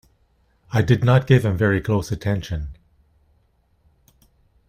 I did not give him very close attention.